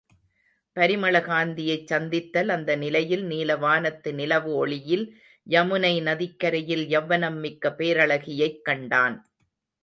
பரிமளகந்தியைச் சந்தித்தல் அந்த நிலையில் நீலவானத்து நிலவு ஒளியில் யமுனை நதிக்கரையில் யவ்வனம் மிக்க பேரழகியைக் கண்டான்.